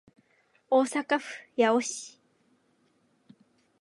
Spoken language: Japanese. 大阪府八尾市